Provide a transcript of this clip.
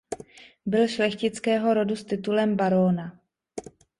Byl šlechtického rodu s titulem barona.